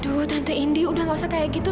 aduh tante indi udah gak usah kayak gitu